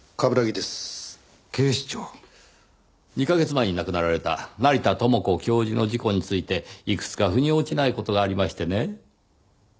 ２カ月前に亡くなられた成田知子教授の事故についていくつか腑に落ちない事がありましてねぇ。